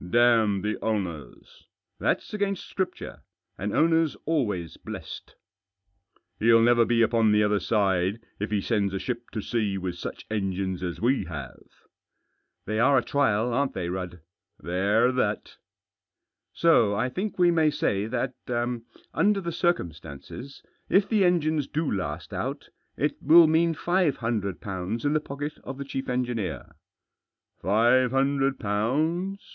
" Damn the owners !" "Thafs against Scripture. An owner's always blessed." " He'll never be upon the other side if he sends a ship to sea with such engines as we have." " They are a trial, aren't they, Rudd ?"" They're that." "So I think we may say that, under the circum stances, if the engines do last out, it will mean five hundred pounds in the pocket of the chief engineer." " Five hundred pounds